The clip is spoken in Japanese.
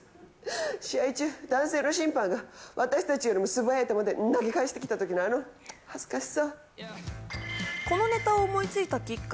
試合中、男性審判が私たちより速い球で投げ返してきた時の恥ずかしさ。